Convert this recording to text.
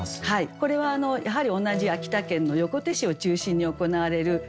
これはやはり同じ秋田県の横手市を中心に行われる行事なんですね。